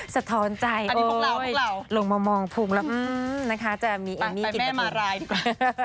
สะท้อนใจโอ๊ยลงมามองภูมิแล้วนะคะจะมีเอมี่กินตะโกะนะคะไปแม่มารายดีกว่า